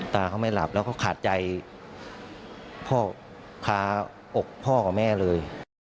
เขาไม่หลับแล้วเขาขาดใจพ่อค้าอกพ่อกับแม่เลย